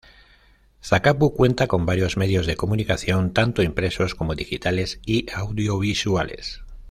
Zacapu cuenta con varios medios de comunicación tanto impresos, como digitales y audiovisuales.